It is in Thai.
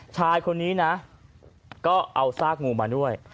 ชายคนนี้นะก็เอาซากงูมาด้วย